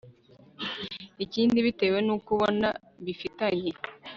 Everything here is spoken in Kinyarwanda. ikindi bitewe n'uko ubona bifitanye